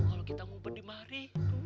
kalau kita ngumpet di mari